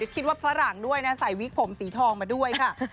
คิดว่าฝรั่งด้วยนะใส่วิกผมสีทองมาด้วยค่ะ